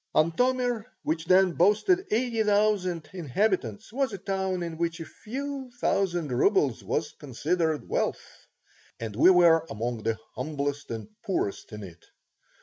Antomir, which then boasted eighty thousand inhabitants, was a town in which a few thousand rubles was considered wealth, and we were among the humblest and poorest in it.